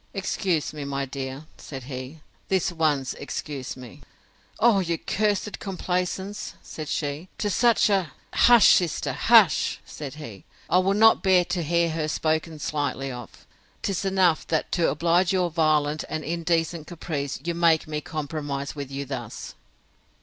Excuse me, my dear, said he; this once excuse me!—Oh! your cursed complaisance, said she, to such a——. Hush, sister! hush! said he: I will not bear to hear her spoken slightly of! 'Tis enough, that, to oblige your violent and indecent caprice, you make me compromise with you thus.